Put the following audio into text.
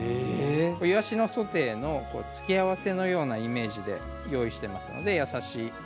いわしのソテーの付け合わせのようなイメージで用意していますので。